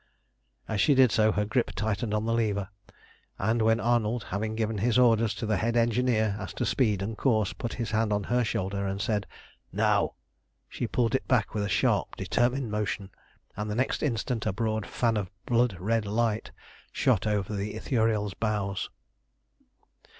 As she did so her grip tightened on the lever, and when Arnold, having given his orders to the head engineer as to speed and course, put his hand on her shoulder and said, "Now!" she pulled it back with a sharp, determined motion, and the next instant a broad fan of blood red light shot over the Ithuriel's bows.